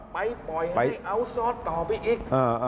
ปล่อยให้เอาซอสต่อไปอีก